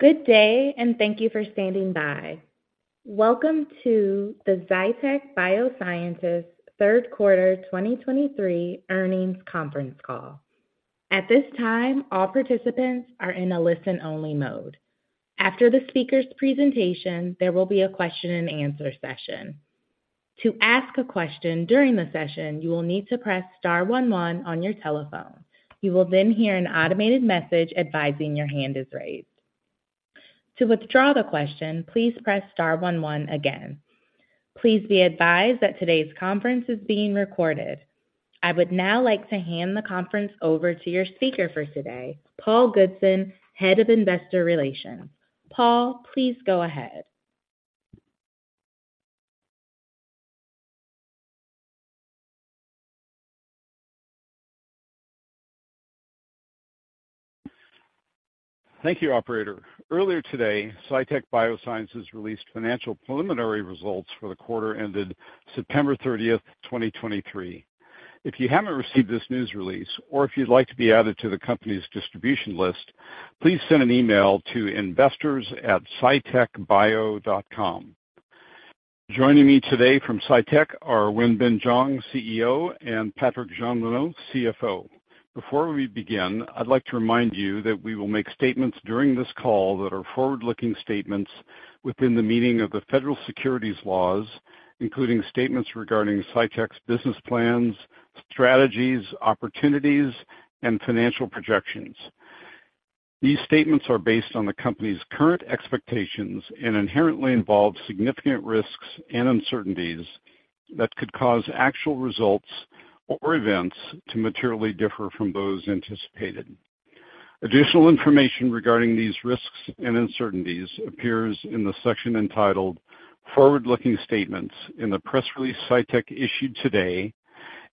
Good day, and thank you for standing by. Welcome to the Cytek Biosciences Q3 2023 earnings conference call. At this time, all participants are in a listen-only mode. After the speaker's presentation, there will be a question and answer session. To ask a question during the session, you will need to press star one one on your telephone. You will then hear an automated message advising your hand is raised. To withdraw the question, please press star one one again. Please be advised that today's conference is being recorded. I would now like to hand the conference over to your speaker for today, Paul Goodson, Head of Investor Relations. Paul, please go ahead. Thank you, operator. Earlier today, Cytek Biosciences released financial preliminary results for the quarter ended September 30, 2023. If you haven't received this news release or if you'd like to be added to the company's distribution list, please send an email to investors@cytekbio.com. Joining me today from Cytek are Wenbin Jiang, CEO, and Patrik Jeanmonod, CFO. Before we begin, I'd like to remind you that we will make statements during this call that are forward-looking statements within the meaning of the federal securities laws, including statements regarding Cytek's business plans, strategies, opportunities, and financial projections. These statements are based on the company's current expectations and inherently involve significant risks and uncertainties that could cause actual results or events to materially differ from those anticipated. Additional information regarding these risks and uncertainties appears in the section entitled "Forward-Looking Statements" in the press release Cytek issued today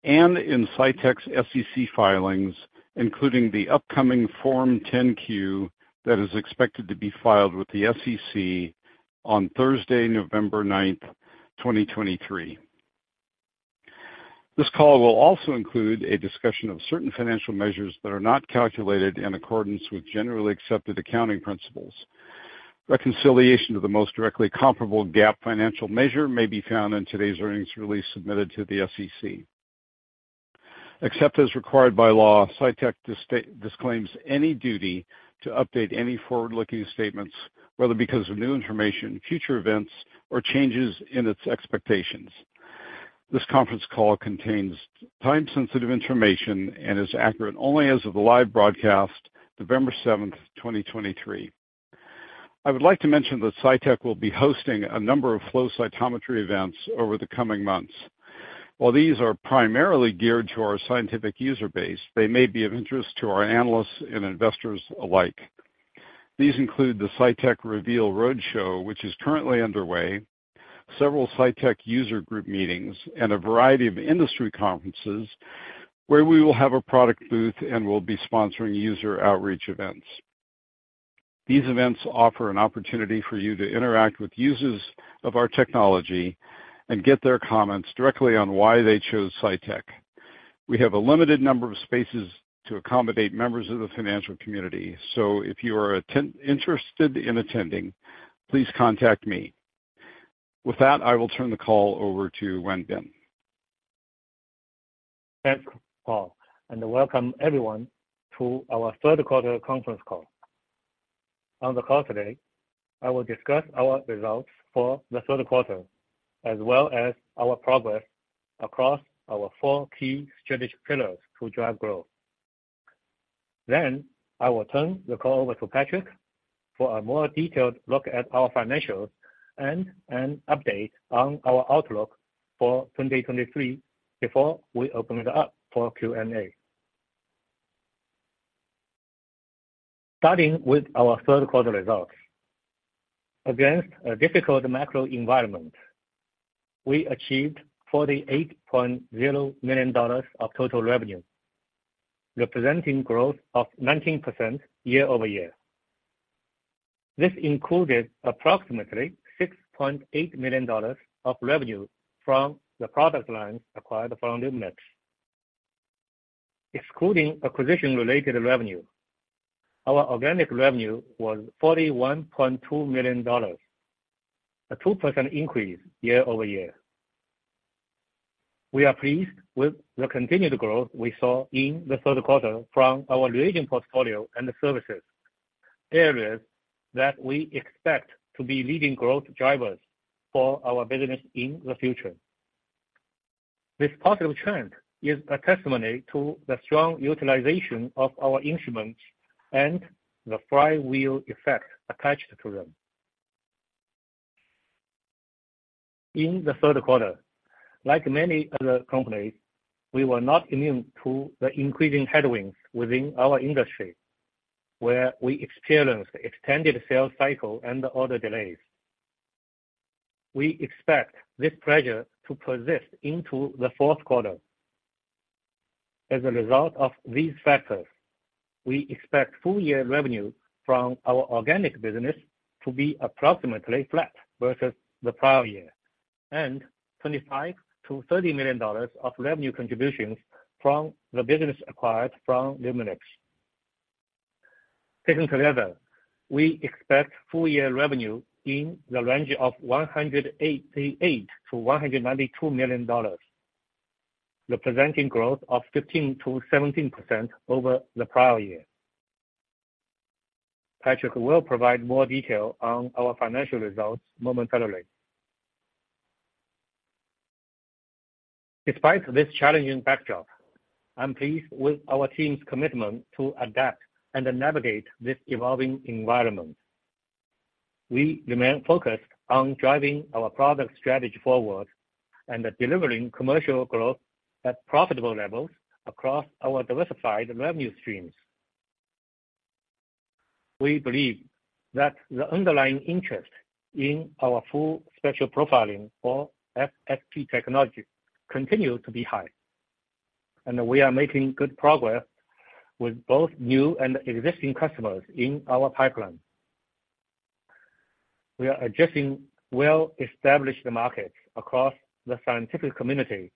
and in Cytek's SEC filings, including the upcoming Form 10-Q, that is expected to be filed with the SEC on Thursday, November 9, 2023. This call will also include a discussion of certain financial measures that are not calculated in accordance with generally accepted accounting principles. Reconciliation to the most directly comparable GAAP financial measure may be found in today's earnings release submitted to the SEC. Except as required by law, Cytek disclaims any duty to update any forward-looking statements, whether because of new information, future events, or changes in its expectations. This conference call contains time-sensitive information and is accurate only as of the live broadcast, November 7, 2023. I would like to mention that Cytek will be hosting a number of flow cytometry events over the coming months. While these are primarily geared to our scientific user base, they may be of interest to our analysts and investors alike. These include the Cytek Reveal roadshow, which is currently underway, several Cytek user group meetings, and a variety of industry conferences, where we will have a product booth and will be sponsoring user outreach events. These events offer an opportunity for you to interact with users of our technology and get their comments directly on why they chose Cytek. We have a limited number of spaces to accommodate members of the financial community, so if you are interested in attending, please contact me. With that, I will turn the call over to Wenbin. Thanks, Paul, and welcome everyone to our Q3 conference call. On the call today, I will discuss our results for the Q3, as well as our progress across our four key strategic pillars to drive growth. Then, I will turn the call over to Patrik for a more detailed look at our financials and an update on our outlook for 2023, before we open it up for Q&A. Starting with our Q3 results. Against a difficult macro environment, we achieved $48.0 million of total revenue, representing growth of 19% year-over-year. This included approximately $6.8 million of revenue from the product lines acquired from Luminex. Excluding acquisition-related revenue, our organic revenue was $41.2 million, a 2% increase year-over-year. We are pleased with the continued growth we saw in the Q3 from our reagent portfolio and services, areas that we expect to be leading growth drivers for our business in the future. This positive trend is a testimony to the strong utilization of our instruments and the flywheel effect attached to them. In the Q3, like many other companies, we were not immune to the increasing headwinds within our industry, where we experienced extended sales cycle and order delays. We expect this pressure to persist into the Q4. As a result of these factors, we expect full-year revenue from our organic business to be approximately flat versus the prior year and $25 million-$30 million of revenue contributions from the business acquired from Luminex. Taken together, we expect full-year revenue in the range of $188 million-$192 million, representing growth of 15%-17% over the prior year. Patrik will provide more detail on our financial results momentarily. Despite this challenging backdrop, I'm pleased with our team's commitment to adapt and navigate this evolving environment. We remain focused on driving our product strategy forward and delivering commercial growth at profitable levels across our diversified revenue streams. We believe that the underlying interest in our full spectral profiling or FSP technology continues to be high, and we are making good progress with both new and existing customers in our pipeline. We are adjusting well-established markets across the scientific community,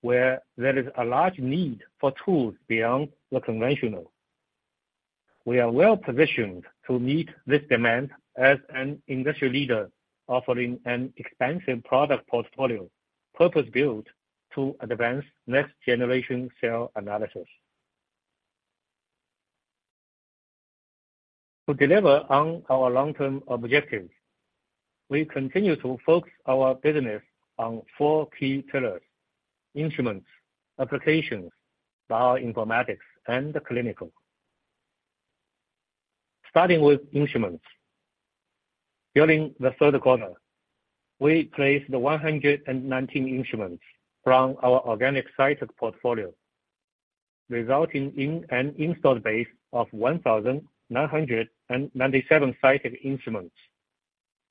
where there is a large need for tools beyond the conventional. We are well-positioned to meet this demand as an industry leader, offering an expansive product portfolio, purpose-built to advance next-generation cell analysis. To deliver on our long-term objectives, we continue to focus our business on four key pillars: instruments, applications, bioinformatics, and clinical. Starting with instruments. During Q3, we placed 119 instruments from our organic Cytek portfolio, resulting in an installed base of 1,997 Cytek instruments,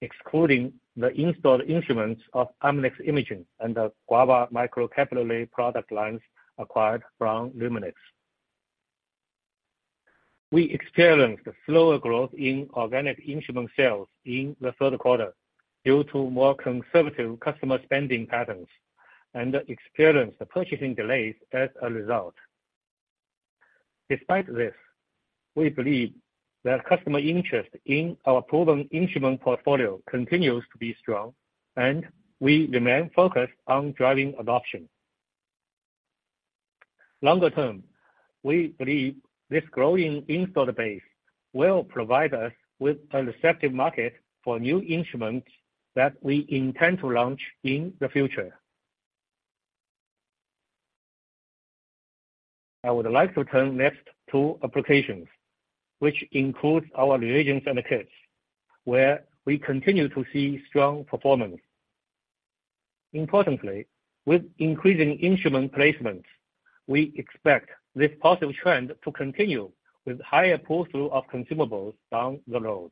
excluding the installed instruments of Amnis imaging and the Guava microcapillary product lines acquired from Luminex. We experienced slower growth in organic instrument sales in the Q3 due to more conservative customer spending patterns and experienced the purchasing delays as a result. Despite this, we believe that customer interest in our proven instrument portfolio continues to be strong, and we remain focused on driving adoption. Longer term, we believe this growing installed base will provide us with a receptive market for new instruments that we intend to launch in the future. I would like to turn next to applications, which includes our reagents and kits, where we continue to see strong performance. Importantly, with increasing instrument placements, we expect this positive trend to continue with higher pull-through of consumables down the road.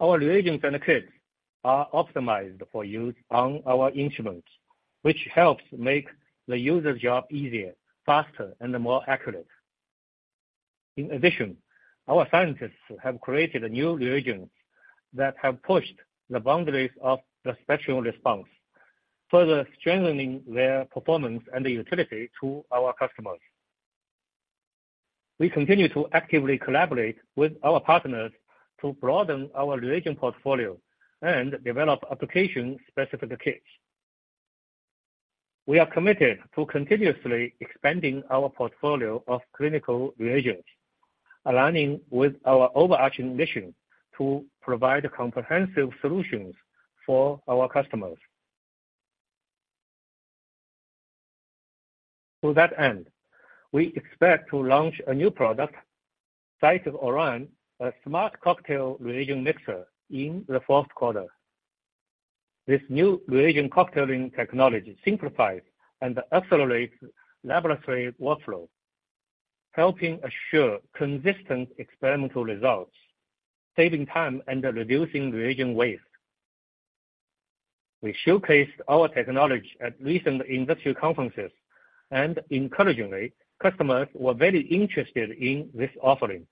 Our reagents and kits are optimized for use on our instruments, which helps make the user's job easier, faster, and more accurate. In addition, our scientists have created new reagents that have pushed the boundaries of the spectral response, further strengthening their performance and utility to our customers. We continue to actively collaborate with our partners to broaden our reagent portfolio and develop application-specific kits. We are committed to continuously expanding our portfolio of clinical reagents, aligning with our overarching mission to provide comprehensive solutions for our customers. To that end, we expect to launch a new product, Cytek Orion, a smart cocktail reagent mixer, in the Q4. This new reagent cocktailing technology simplifies and accelerates laboratory workflow, helping assure consistent experimental results, saving time, and reducing reagent waste. We showcased our technology at recent industry conferences, and encouragingly, customers were very interested in this offering.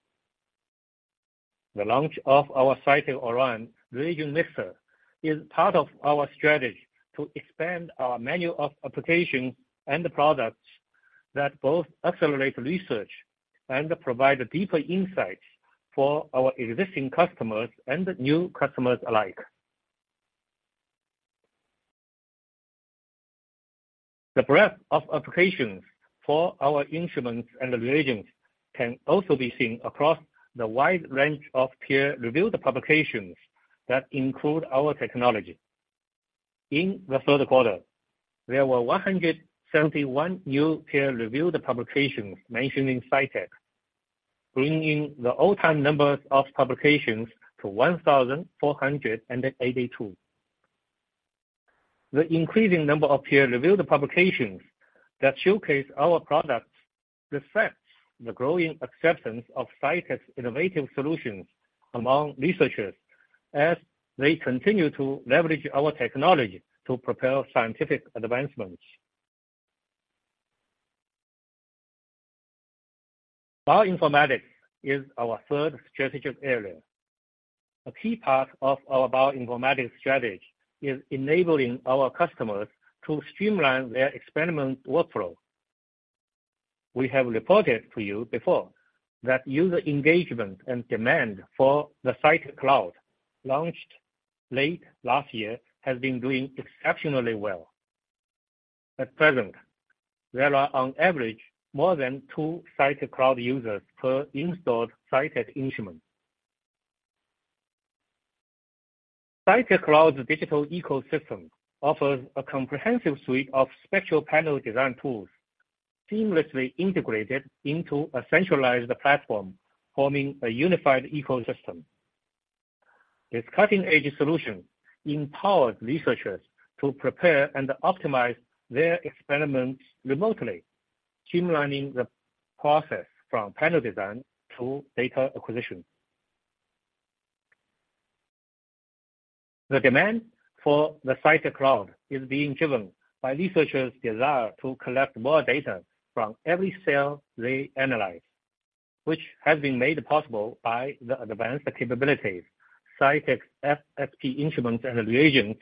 The launch of our Cytek Orion reagent mixer is part of our strategy to expand our menu of applications and products that both accelerate research and provide deeper insights for our existing customers and new customers alike. The breadth of applications for our instruments and reagents can also be seen across the wide range of peer-reviewed publications that include our technology. In the Q3, there were 171 new peer-reviewed publications mentioning Cytek, bringing the all-time numbers of publications to 1,482. The increasing number of peer-reviewed publications that showcase our products reflects the growing acceptance of Cytek's innovative solutions among researchers as they continue to leverage our technology to propel scientific advancements. Bioinformatics is our third strategic area. A key part of our bioinformatics strategy is enabling our customers to streamline their experiment workflow. We have reported to you before that user engagement and demand for the Cytek Cloud, launched late last year, has been doing exceptionally well. At present, there are on average, more than two Cytek Cloud users per installed Cytek instrument. Cytek Cloud's digital ecosystem offers a comprehensive suite of spectral panel design tools, seamlessly integrated into a centralized platform, forming a unified ecosystem. This cutting-edge solution empowers researchers to prepare and optimize their experiments remotely, streamlining the process from panel design to data acquisition. The demand for the Cytek Cloud is being driven by researchers' desire to collect more data from every cell they analyze, which has been made possible by the advanced capabilities Cytek's FSP instruments and reagents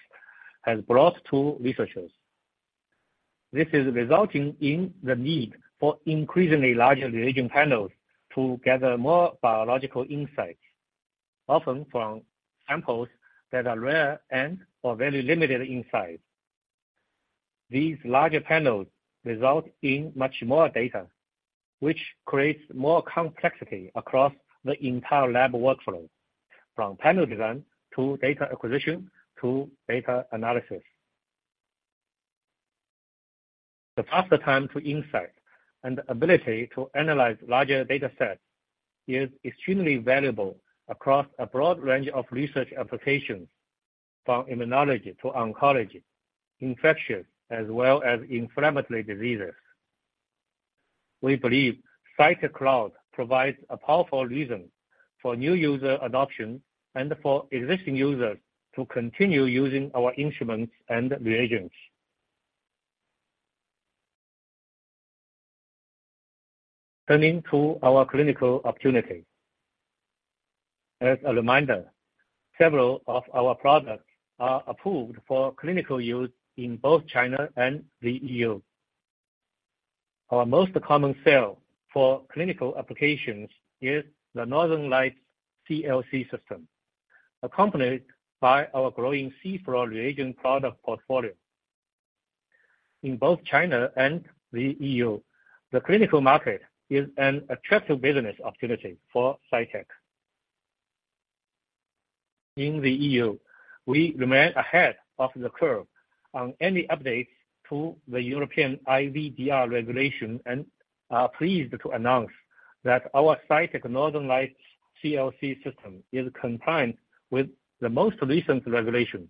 has brought to researchers. This is resulting in the need for increasingly larger reagent panels to gather more biological insights, often from samples that are rare and or very limited in size. These larger panels result in much more data, which creates more complexity across the entire lab workflow, from panel design to data acquisition to data analysis. The faster time to insight and ability to analyze larger data sets is extremely valuable across a broad range of research applications, from immunology to oncology, infectious, as well as inflammatory diseases. We believe Cytek Cloud provides a powerful reason for new user adoption and for existing users to continue using our instruments and reagents. Turning to our clinical opportunity. As a reminder, several of our products are approved for clinical use in both China and the EU. Our most common sale for clinical applications is the Northern Lights CLC system, accompanied by our growing cFluor reagent product portfolio. In both China and the EU, the clinical market is an attractive business opportunity for Cytek. In the EU, we remain ahead of the curve on any updates to the European IVDR regulation, and are pleased to announce that our Cytek Northern Lights CLC system is compliant with the most recent regulation.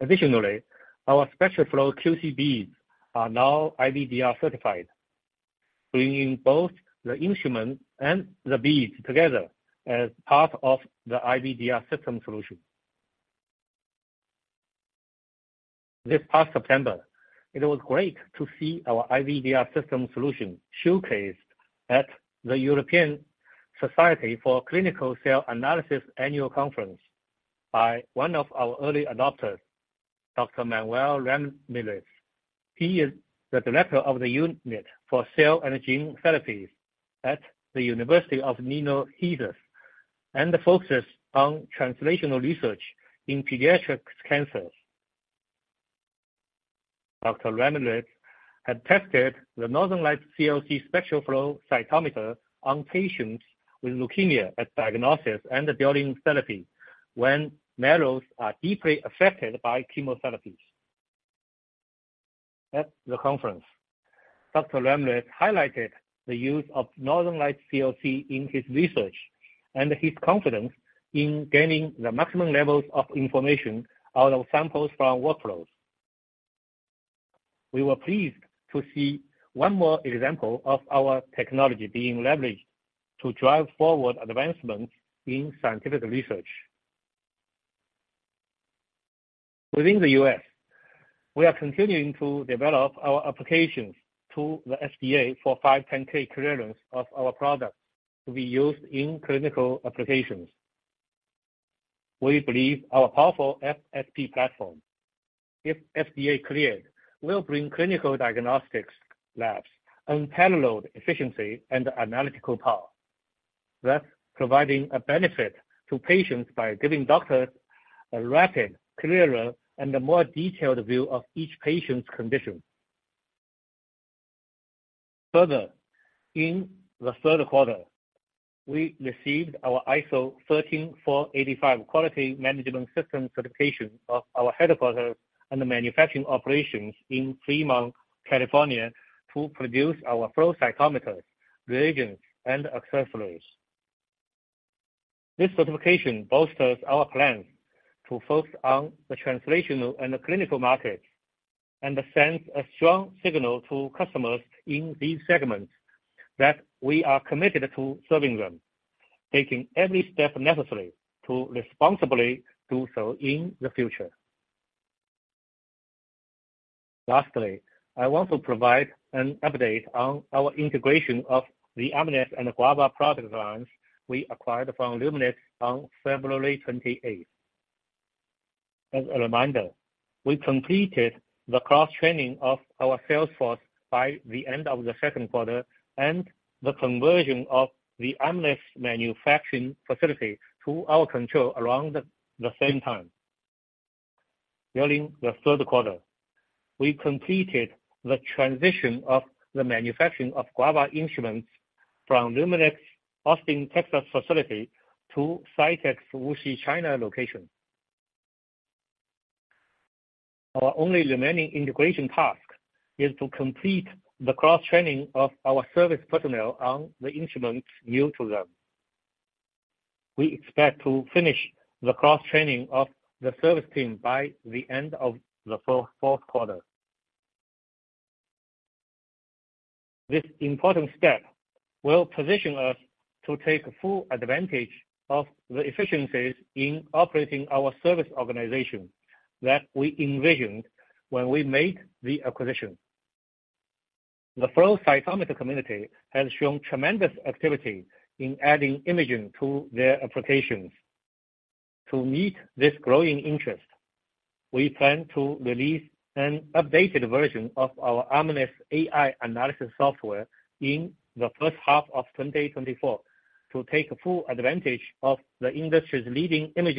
Additionally, our Spectral Flow QC beads are now IVDR certified, bringing both the instrument and the beads together as part of the IVDR system solution. This past September, it was great to see our IVDR system solution showcased at the European Society for Clinical Cell Analysis Annual Conference by one of our early adopters, Dr. Manuel Ramirez. He is the director of the Unit for Cell and Gene Therapies at the Hospital Infantil Universitario Niño Jesús, and focuses on translational research in pediatric cancers. Dr. Ramirez had tested the Northern Lights CLC spectral flow cytometer on patients with leukemia at diagnosis and during therapy, when marrows are deeply affected by chemotherapies. At the conference, Dr. Ramirez highlighted the use of Northern Lights CLC in his research, and his confidence in gaining the maximum levels of information out of samples from workflows. We were pleased to see one more example of our technology being leveraged to drive forward advancements in scientific research. Within the US, we are continuing to develop our applications to the FDA for 510(k) clearance of our products to be used in clinical applications. We believe our powerful FSP platform, if FDA cleared, will bring clinical diagnostics, labs, and panel load efficiency and analytical power. Thus, providing a benefit to patients by giving doctors a rapid, clearer, and a more detailed view of each patient's condition. Further, in the Q3, we received our ISO 13485 quality management system certification of our headquarters and manufacturing operations in Fremont, California, to produce our flow cytometers, reagents, and accessories. This certification bolsters our plans to focus on the translational and clinical market, and sends a strong signal to customers in these segments that we are committed to serving them, taking every step necessary to responsibly do so in the future. Lastly, I want to provide an update on our integration of the Amnis and Guava product lines we acquired from Luminex on February twenty-eighth. As a reminder, we completed the cross-training of our sales force by the end of the Q2, and the conversion of the Amnis manufacturing facility to our control around the same time. During the Q3, we completed the transition of the manufacturing of Guava instruments from Luminex, Austin, Texas, facility to Cytek's Wuxi, China, location. Our only remaining integration task is to complete the cross-training of our service personnel on the instruments new to them. We expect to finish the cross-training of the service team by the end of the Q4. This important step will position us to take full advantage of the efficiencies in operating our service organization that we envisioned when we made the acquisition. The flow cytometer community has shown tremendous activity in adding imaging to their applications. To meet this growing interest, we plan to release an updated version of our Amnis AI analysis software in the first half of 2024, to take full advantage of the industry's leading image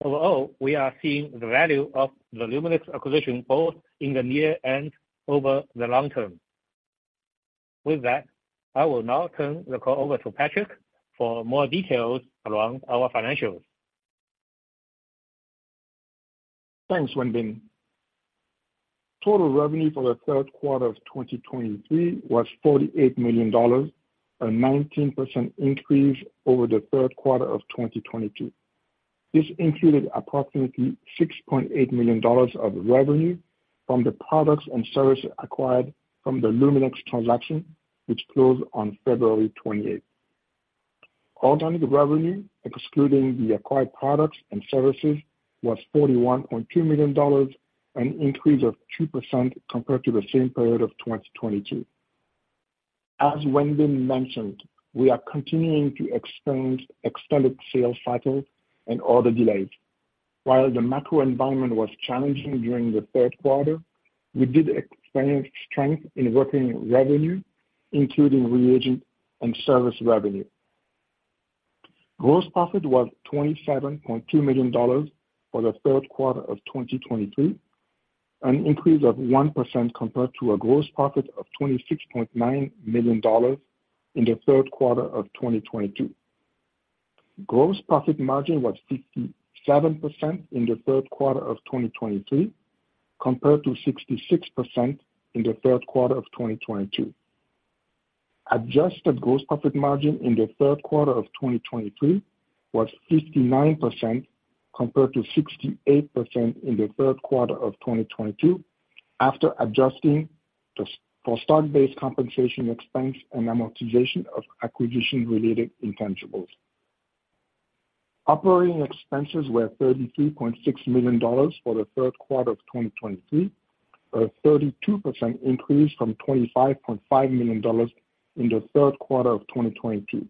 quality from our ImageStream. Overall, we are seeing the value of the Luminex acquisition, both in the near and over the long term. With that, I will now turn the call over to Patrik for more details around our financials. Thanks, Wenbin. Total revenue for the Q3 of 2023 was $48 million, a 19% increase over the Q3 of 2022. This included approximately $6.8 million of revenue from the products and services acquired from the Luminex transaction, which closed on February 28. Organic revenue, excluding the acquired products and services, was $41.2 million, an increase of 2% compared to the same period of 2022. As Wenbin mentioned, we are continuing to experience extended sales cycles and order delays. While the macro environment was challenging during the Q3, we did experience strength in working revenue, including reagent and service revenue. Gross profit was $27.2 million for the Q3 of 2023, an increase of 1% compared to a gross profit of $26.9 million in the third Q3 of 2022. Gross profit margin was 57% in the Q3 of 2023, compared to 66% in the Q3 of 2022. Adjusted gross profit margin in the Q3 of 2023 was 59%, compared to 68% in the Q3 of 2022, after adjusting for stock-based compensation expense and amortization of acquisition-related intangibles. Operating expenses were $33.6 million for the Q3 of 2023, a 32% increase from $25.5 million in the Q3 of 2022.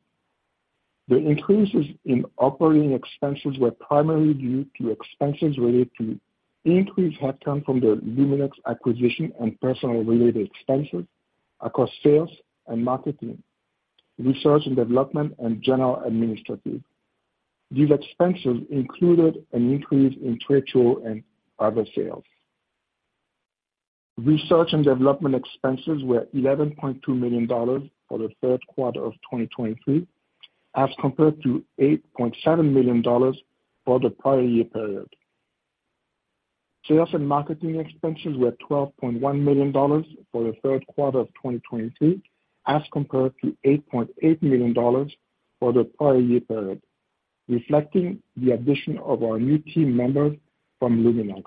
The increases in operating expenses were primarily due to expenses related to increased headcount from the Luminex acquisition and personnel-related expenses across sales and marketing, research and development, and general administrative. These expenses included an increase in trade show and other sales. Research and development expenses were $11.2 million for the Q3 of 2023, as compared to $8.7 million for the prior year period. Sales and marketing expenses were $12.1 million for the Q3 of 2023, as compared to $8.8 million for the prior year period, reflecting the addition of our new team members from Luminex.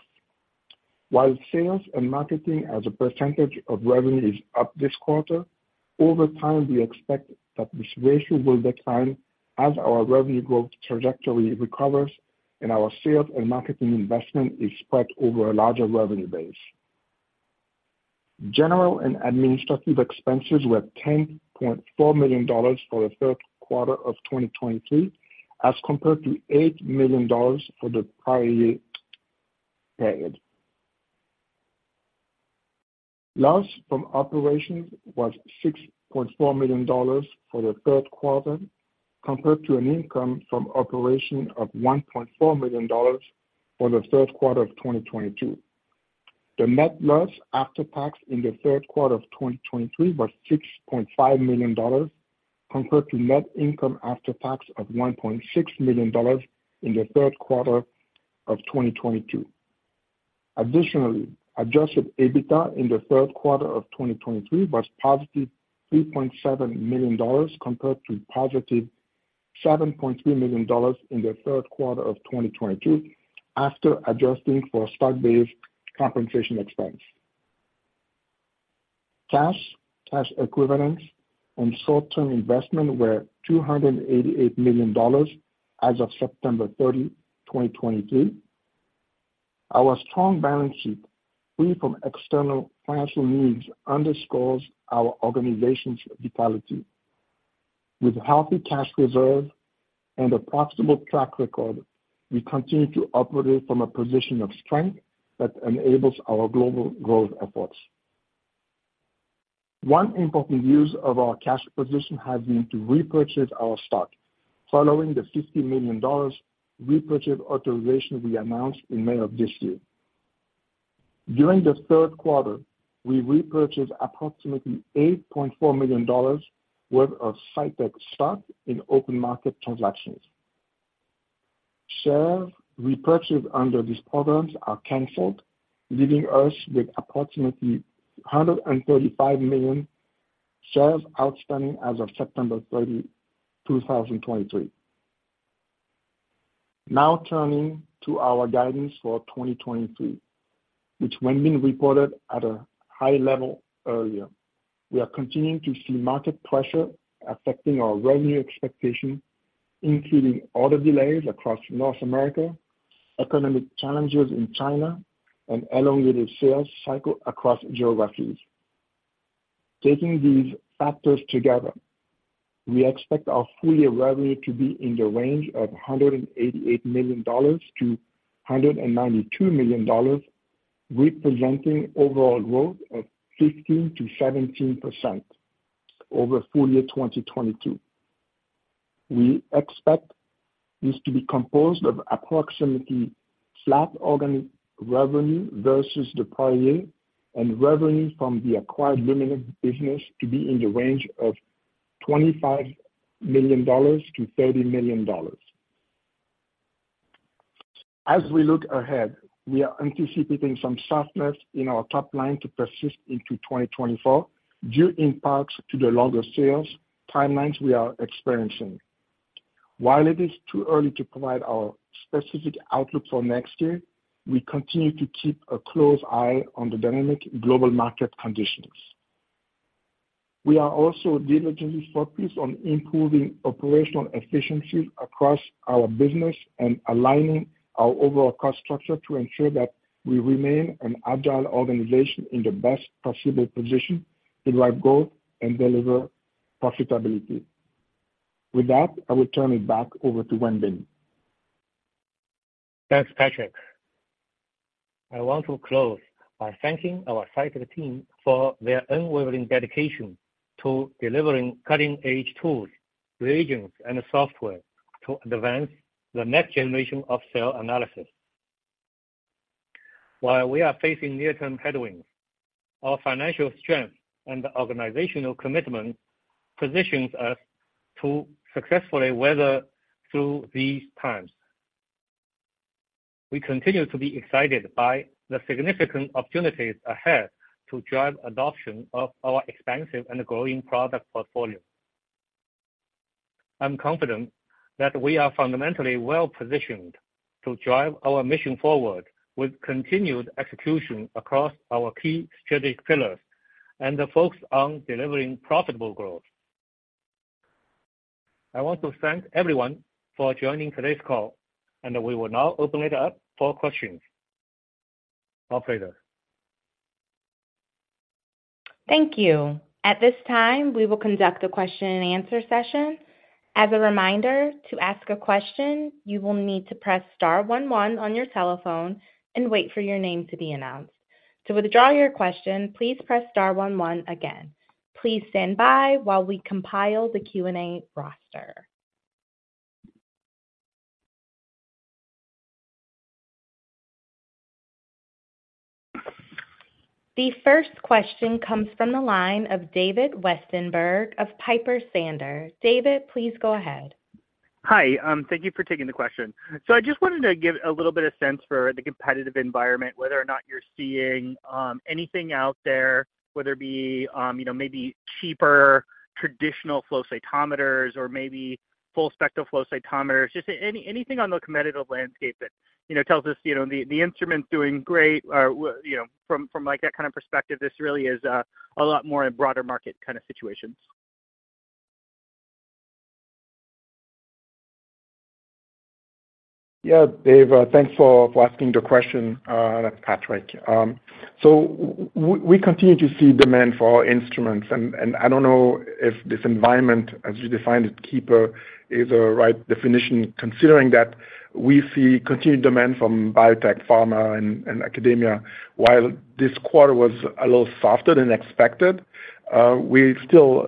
While sales and marketing as a percentage of revenue is up this quarter, over time, we expect that this ratio will decline as our revenue growth trajectory recovers and our sales and marketing investment is spread over a larger revenue base. General and administrative expenses were $10.4 million for the Q3 of 2023, as compared to $8 million for the prior year period. Loss from operations was $6.4 million for the Q3, compared to an income from operation of $1.4 million for the Q3 of 2022. The net loss after tax in the Q3 of 2023 was $6.5 million, compared to net income after tax of $1.6 million in the Q3 of 2022. Additionally, adjusted EBITDA in the Q3 of 2023 was positive $3.7 million, compared to positive $7.3 million in the Q3 of 2022, after adjusting for stock-based compensation expense. Cash, cash equivalents, and short-term investments were $288 million as of September 30, 2023. Our strong balance sheet, free from external financial needs, underscores our organization's vitality. With healthy cash reserves and a profitable track record, we continue to operate from a position of strength that enables our global growth efforts. One important use of our cash position has been to repurchase our stock, following the $50 million repurchase authorization we announced in May of this year. During the Q3, we repurchased approximately $8.4 million worth of Cytek stock in open market transactions. Shares repurchased under these programs are canceled, leaving us with approximately 135 million shares outstanding as of September 30, 2023. Now turning to our guidance for 2023, which Wenbin reported at a high level earlier. We are continuing to see market pressure affecting our revenue expectations, including order delays across North America, economic challenges in China, and elongated sales cycle across geographies. Taking these factors together, we expect our full year revenue to be in the range of $188 million-$192 million, representing overall growth of 15%-17% over full year 2022. We expect this to be composed of approximately flat organic revenue versus the prior year, and revenue from the acquired Luminex business to be in the range of $25 million-$30 million. As we look ahead, we are anticipating some softness in our top line to persist into 2024 due impacts to the longer sales timelines we are experiencing. While it is too early to provide our specific outlook for next year, we continue to keep a close eye on the dynamic global market conditions. We are also diligently focused on improving operational efficiencies across our business and aligning our overall cost structure to ensure that we remain an agile organization in the best possible position to drive growth and deliver profitability. With that, I will turn it back over to Wenbin. Thanks, Patrik. I want to close by thanking our Cytek team for their unwavering dedication to delivering cutting-edge tools, reagents, and software to advance the next generation of cell analysis. While we are facing near-term headwinds, our financial strength and organizational commitment positions us to successfully weather through these times. We continue to be excited by the significant opportunities ahead to drive adoption of our expansive and growing product portfolio. I'm confident that we are fundamentally well-positioned to drive our mission forward with continued execution across our key strategic pillars and the focus on delivering profitable growth. I want to thank everyone for joining today's call, and we will now open it up for questions. Operator? Thank you. At this time, we will conduct a question and answer session. As a reminder, to ask a question, you will need to press star one one on your telephone and wait for your name to be announced. To withdraw your question, please press star one one again. Please stand by while we compile the Q&A roster. The first question comes from the line of David Westenberg of Piper Sandler. David, please go ahead. Hi, thank you for taking the question. So I just wanted to get a little bit of sense for the competitive environment, whether or not you're seeing anything out there, whether it be you know, maybe cheaper traditional flow cytometers or maybe full spectral flow cytometers. Just anything on the competitive landscape that you know, tells us you know, the instrument's doing great or you know, from from, like, that kind of perspective, this really is a lot more a broader market kind of situation. Yeah, Dave, thanks for asking the question, Patrik. So we continue to see demand for our instruments, and I don't know if this environment, as you defined it, keeper, is a right definition, considering that we see continued demand from biotech, pharma, and academia. While this quarter was a little softer than expected, we still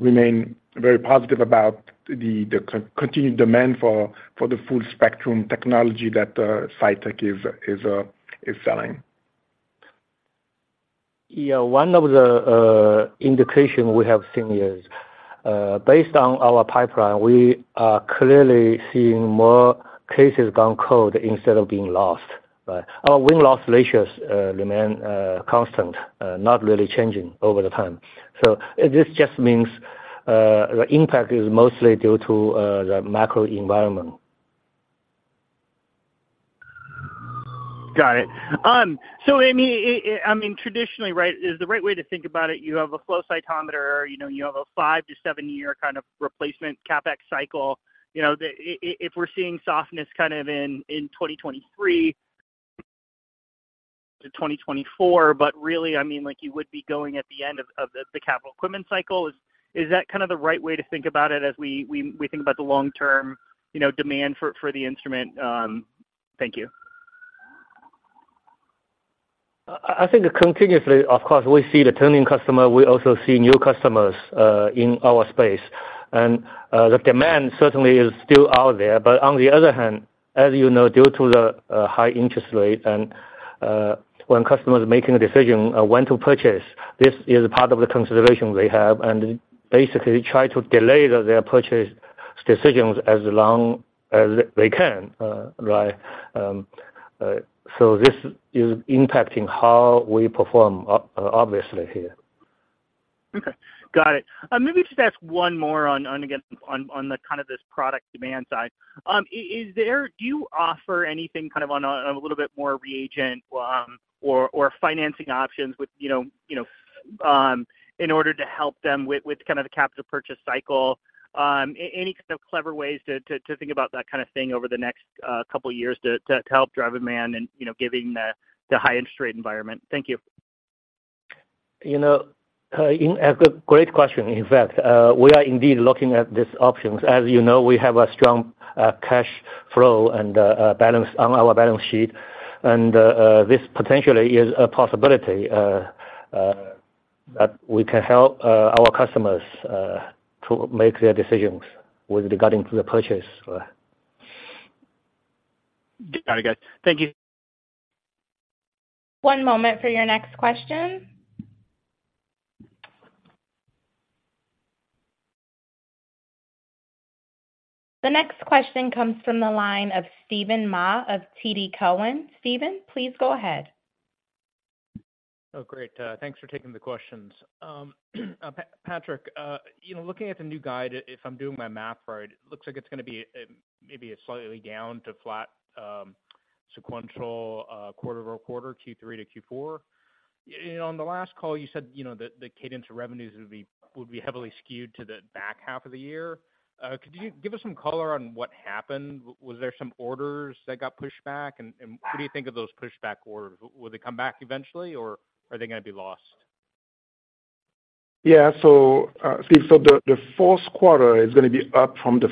remain very positive about the continued demand for the full spectrum technology that Cytek is selling. Yeah, one of the indication we have seen is based on our pipeline, we are clearly seeing more cases gone cold instead of being lost, right? Our win-loss ratios remain constant, not really changing over the time. So this just means the impact is mostly due to the macro environment. Got it. So, I mean, I mean, traditionally, right, is the right way to think about it, you have a flow cytometer, you know, you have a five- to seven-year kind of replacement CapEx cycle. You know, if we're seeing softness kind of in 2023-2024, but really, I mean, like you would be going at the end of the capital equipment cycle. Is that kind of the right way to think about it as we think about the long term, you know, demand for the instrument? Thank you. I think continuously, of course, we see the returning customer. We also see new customers in our space. And the demand certainly is still out there. But on the other hand, as you know, due to the high interest rate and when customers are making a decision on when to purchase, this is part of the consideration they have, and basically try to delay their purchase decisions as long as they can, right. So this is impacting how we perform obviously here. Okay, got it. Maybe just ask one more on, again, on the kind of this product demand side. Do you offer anything kind of on a little bit more reagent or financing options with, you know, you know, in order to help them with kind of the capital purchase cycle? Any kind of clever ways to think about that kind of thing over the next couple of years to help drive demand and, you know, given the high interest rate environment? Thank you. You know, it's a good, great question. In fact, we are indeed looking at these options. As you know, we have a strong cash flow and balance on our balance sheet. And this potentially is a possibility that we can help our customers to make their decisions with regard to the purchase. Got it, guys. Thank you. One moment for your next question. The next question comes from the line of Steven Ma of TD Cowen. Steven, please go ahead. Oh, great, thanks for taking the questions. Patrik, you know, looking at the new guide, if I'm doing my math right, it looks like it's gonna be, maybe a slightly down to flat, sequential, quarter over quarter, Q3 to Q4. You know, on the last call, you said, you know, the cadence of revenues would be heavily skewed to the back half of the year. Could you give us some color on what happened? Was there some orders that got pushed back? And what do you think of those pushed back orders? Will they come back eventually, or are they gonna be lost? Yeah. So, Steve, the Q4 is gonna be up from the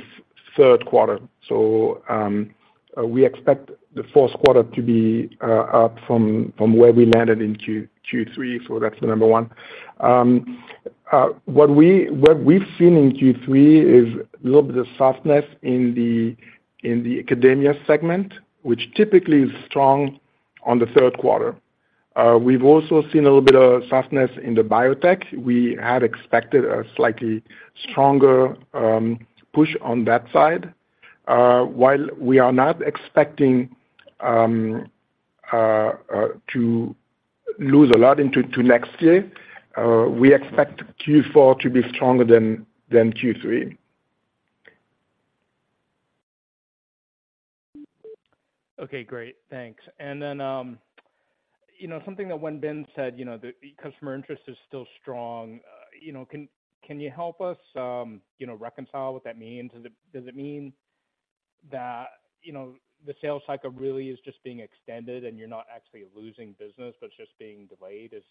Q3. So, we expect the Q4 to be up from where we landed in Q3, so that's the number one. What we've seen in Q3 is a little bit of softness in the academia segment, which typically is strong on the Q3. We've also seen a little bit of softness in the biotech. We had expected a slightly stronger push on that side. While we are not expecting to lose a lot into next year, we expect Q4 to be stronger than Q3. Okay, great. Thanks. Then, you know, something that when Ben said, you know, the customer interest is still strong, you know, can you help us, you know, reconcile what that means? Does it mean that, you know, the sales cycle really is just being extended and you're not actually losing business, but it's just being delayed? Is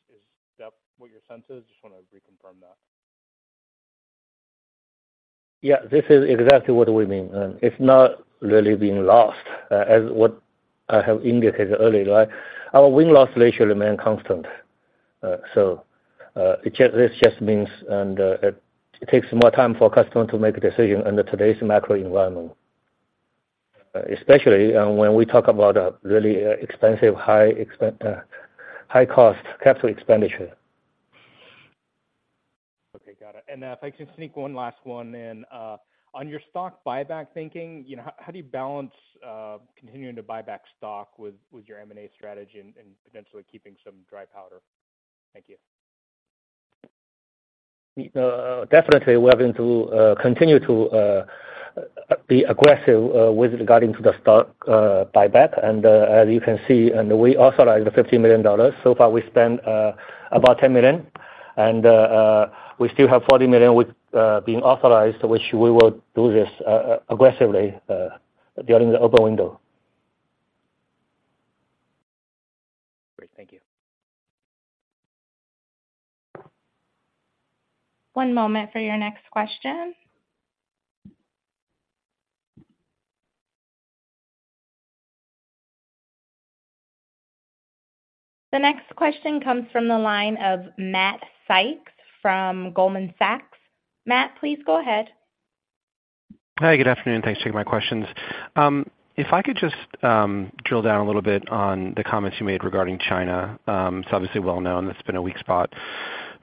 that what your sense is? Just wanna reconfirm that. Yeah, this is exactly what we mean. It's not really being lost, as what I have indicated earlier, right? Our win-loss ratio remain constant. So, it just, this just means, and, it takes more time for customers to make a decision under today's macro environment, especially, when we talk about a really expensive, high cost capital expenditure. Okay. Got it. And, if I can sneak one last one in, on your stock buyback thinking, you know, how do you balance continuing to buy back stock with your M&A strategy and potentially keeping some dry powder? Thank you. Definitely, we're going to continue to be aggressive with regard to the stock buyback. And, as you can see, and we authorized the $50 million. So far, we spent about $10 million, and we still have $40 million with being authorized, which we will do this aggressively during the open window. Great. Thank you. One moment for your next question. The next question comes from the line of Matt Sykes from Goldman Sachs. Matt, please go ahead. Hi, good afternoon. Thanks for taking my questions. If I could just drill down a little bit on the comments you made regarding China. It's obviously well known that's been a weak spot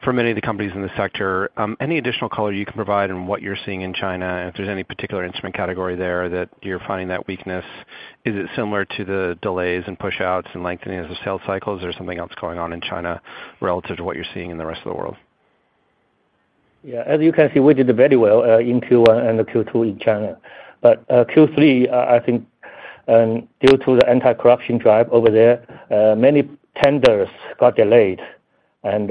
for many of the companies in the sector. Any additional color you can provide on what you're seeing in China, and if there's any particular instrument category there that you're finding that weakness, is it similar to the delays and pushouts and lengthening of the sales cycles, or is there something else going on in China relative to what you're seeing in the rest of the world? Yeah, as you can see, we did very well in Q1 and Q2 in China. But Q3, I think, due to the anti-corruption drive over there, many tenders got delayed, and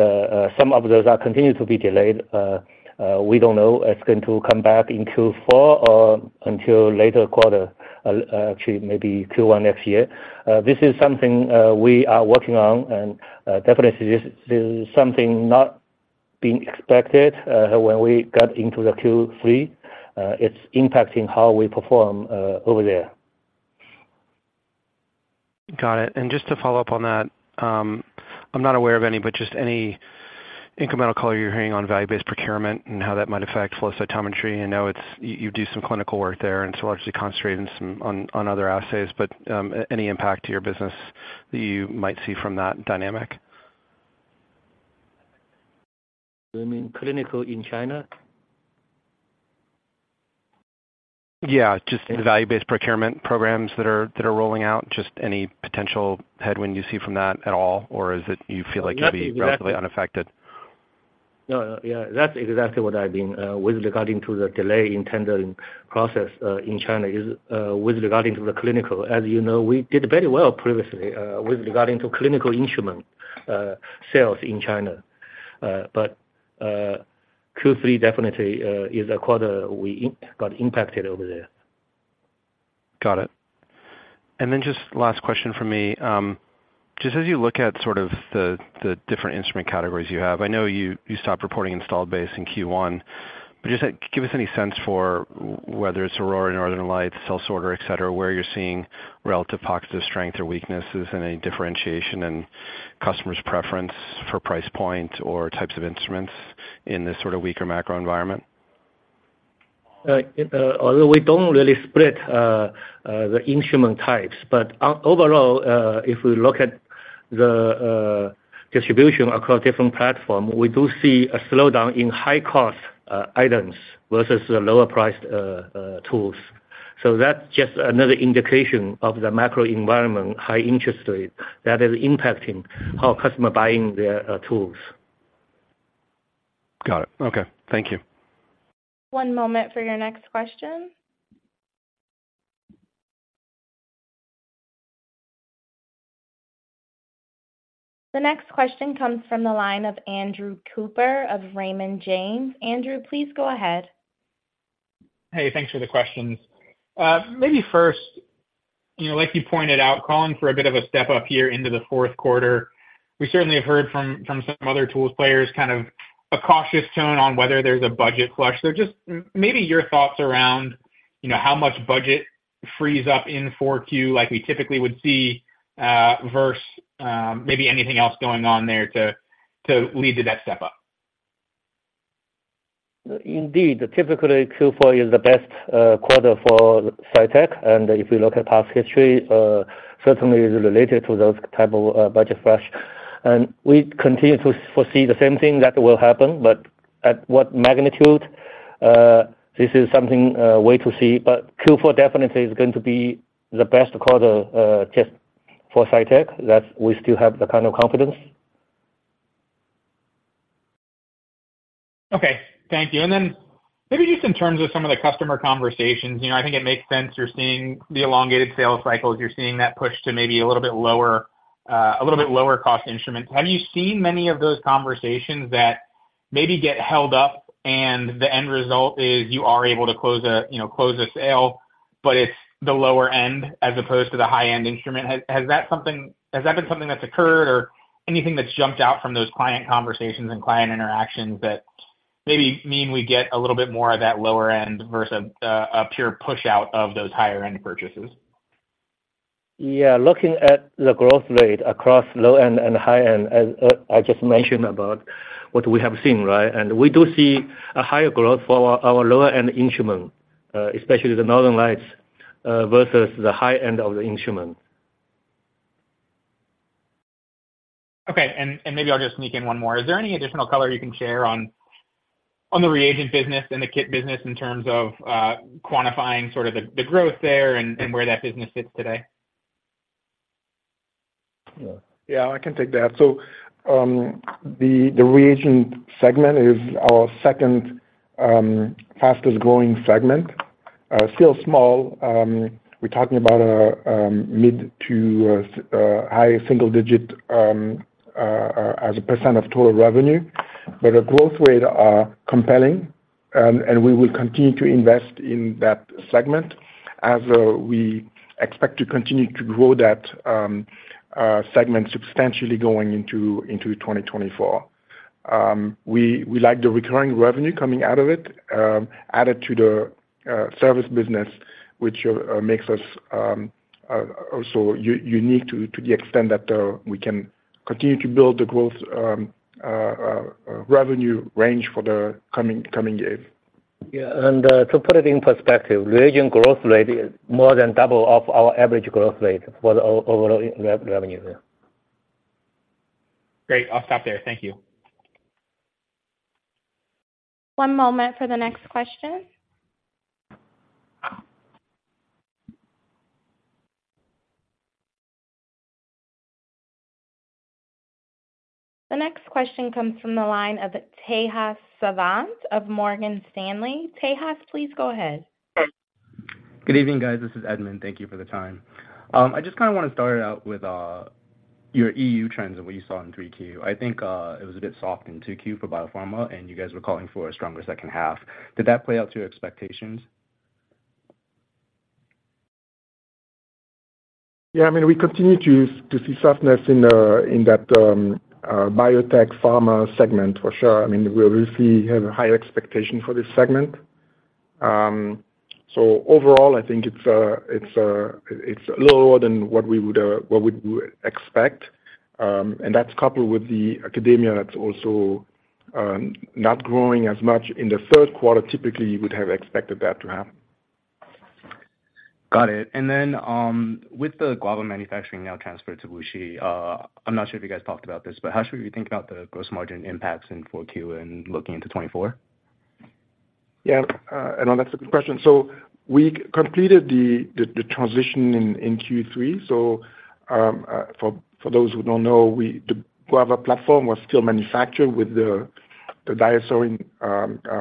some of those are continued to be delayed. We don't know it's going to come back in Q4 or until later quarter, actually, maybe Q1 next year. This is something we are working on, and definitely this is something not being expected when we got into the Q3. It's impacting how we perform over there. Got it. Just to follow up on that, I'm not aware of any, but just any incremental color you're hearing on value-based procurement and how that might affect flow cytometry. I know it's you do some clinical work there, and it's largely concentrated in some other assays, but any impact to your business that you might see from that dynamic? You mean clinical in China? Yeah, just the value-based procurement programs that are, that are rolling out. Just any potential headwind you see from that at all, or is it you feel like you'll be relatively unaffected? No, yeah, that's exactly what I mean with regarding to the delay in tendering process in China is with regarding to the clinical. As you know, we did very well previously with regarding to clinical instrument sales in China. But Q3 definitely is a quarter we got impacted over there. Got it. And then just last question from me. Just as you look at sort of the different instrument categories you have, I know you stopped reporting installed base in Q1, but give us any sense for whether it's Aurora, Northern Lights, Cell Sorter, et cetera, where you're seeing relative pockets of strength or weaknesses and any differentiation in customers' preference for price point or types of instruments in this sort of weaker macro environment. Although we don't really split the instrument types, but overall, if we look at the distribution across different platform, we do see a slowdown in high-cost items versus the lower priced tools. So that's just another indication of the macro environment, high interest rate, that is impacting how customer buying their tools. Got it. Okay, thank you. One moment for your next question. The next question comes from the line of Andrew Cooper of Raymond James. Andrew, please go ahead. Hey, thanks for the questions. Maybe first, you know, like you pointed out, calling for a bit of a step up here into the Q4. We certainly have heard from some other tools players, kind of a cautious tone on whether there's a budget flush. So just maybe your thoughts around, you know, how much budget frees up in 4Q, like we typically would see, versus maybe anything else going on there to lead to that step up. Indeed, typically Q4 is the best quarter for Cytek, and if you look at past history, certainly is related to those type of budget flush. And we continue to foresee the same thing that will happen, but at what magnitude? This is something wait to see, but Q4 definitely is going to be the best quarter just for Cytek, that we still have the kind of confidence. Okay, thank you. Then maybe just in terms of some of the customer conversations, you know, I think it makes sense you're seeing the elongated sales cycles, you're seeing that push to maybe a little bit lower, a little bit lower cost instruments. Have you seen many of those conversations that maybe get held up and the end result is you are able to close a, you know, close a sale, but it's the lower end as opposed to the high-end instrument? Has that been something that's occurred or anything that's jumped out from those client conversations and client interactions that maybe mean we get a little bit more of that lower end versus a pure push out of those higher end purchases? Yeah, looking at the growth rate across low end and high end, as I just mentioned about what we have seen, right? And we do see a higher growth for our lower-end instrument, especially the Northern Lights, versus the high end of the instrument. Okay, and maybe I'll just sneak in one more. Is there any additional color you can share on the reagent business and the kit business in terms of quantifying sort of the growth there and where that business sits today? Yeah, I can take that. So, the reagent segment is our second fastest growing segment. Still small, we're talking about a mid- to high-single-digit % of total revenue, but the growth rate are compelling, and we will continue to invest in that segment as we expect to continue to grow that segment substantially going into 2024. We like the recurring revenue coming out of it added to the service business, which makes us also unique to the extent that we can continue to build the growth revenue range for the coming years. Yeah, and to put it in perspective, reagent growth rate is more than double of our average growth rate for the overall revenue. Great. I'll stop there. Thank you. One moment for the next question. The next question comes from the line of Tejas Savant of Morgan Stanley. Tejas, please go ahead. Good evening, guys. This is Edmond. Thank you for the time. I just kind of want to start out with, your EU trends and what you saw in 3Q. I think, it was a bit soft in 2Q for biopharma, and you guys were calling for a stronger second half. Did that play out to your expectations? Yeah, I mean, we continue to see softness in that biotech pharma segment for sure. I mean, we obviously have a higher expectation for this segment. So overall, I think it's lower than what we would expect. And that's coupled with the academia that's also not growing as much in the Q3. Typically, you would have expected that to happen. Got it. And then, with the Guava manufacturing now transferred to Wuxi, I'm not sure if you guys talked about this, but how should we think about the gross margin impacts in Q4 and looking into 2024? Yeah, and that's a good question. So we completed the transition in Q3. So, for those who don't know, the Guava platform was still manufactured with the DiaSorin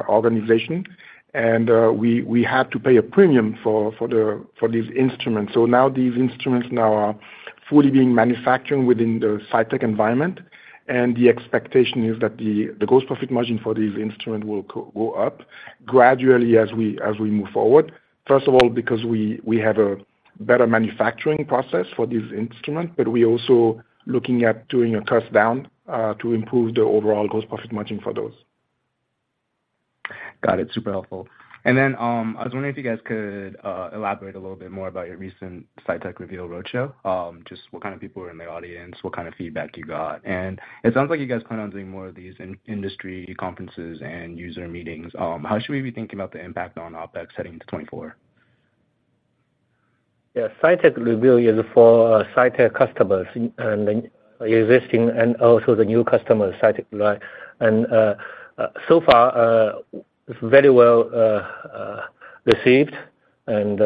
organization, and we had to pay a premium for these instruments. So now these instruments are fully being manufactured within the Cytek environment, and the expectation is that the gross profit margin for these instruments will go up gradually as we move forward. First of all, because we have a better manufacturing process for these instruments, but we're also looking at doing a cost down to improve the overall gross profit margin for those. Got it. Super helpful. And then, I was wondering if you guys could elaborate a little bit more about your recent Cytek Reveal roadshow. Just what kind of people are in the audience, what kind of feedback you got? And it sounds like you guys plan on doing more of these in-industry conferences and user meetings. How should we be thinking about the impact on OpEx heading to 2024? Yeah, Cytek Reveal is for, Cytek customers and the existing and also the new customers, Cytek, right? And, so far, it's very well, received, and,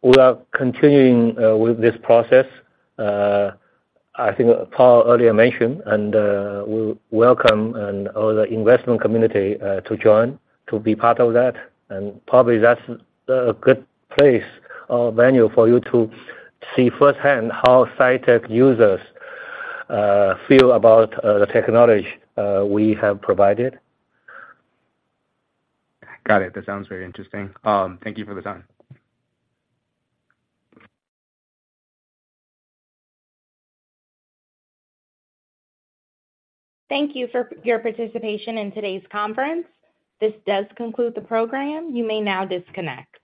we are continuing, with this process. I think Paul earlier mentioned, and, we welcome and all the investment community, to join, to be part of that. And probably that's a good place or venue for you to see firsthand how Cytek users, feel about, the technology, we have provided. Got it. That sounds very interesting. Thank you for the time. Thank you for your participation in today's conference. This does conclude the program. You may now disconnect.